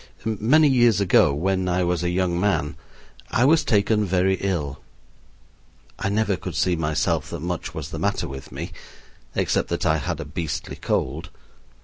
Many years ago, when I was a young man, I was taken very ill I never could see myself that much was the matter with me, except that I had a beastly cold.